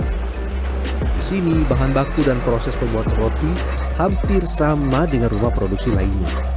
di sini bahan baku dan proses pembuatan roti hampir sama dengan rumah produksi lainnya